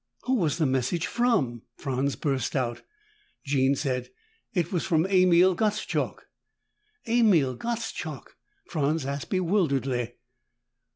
"Who was the message from?" Franz burst out. Jean said, "It was from Emil Gottschalk." "Emil Gottschalk?" Franz asked bewilderedly.